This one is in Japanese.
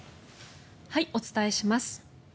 お伝えします。